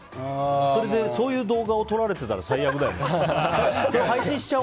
それで、そういう動画を撮られてたら最悪だよね。